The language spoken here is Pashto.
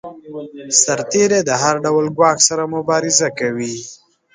سرتیری د هر ډول ګواښ سره مبارزه کوي.